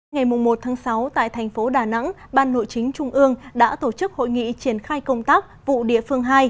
ngày một sáu tại thành phố đà nẵng ban nội chính trung ương đã tổ chức hội nghị triển khai công tác vụ địa phương hai